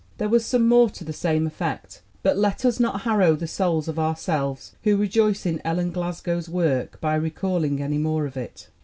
There was some more to the same effect, but let us not harrow the souls of ourselves who rejoice in Ellen Glasgow's work by recalling any more of it.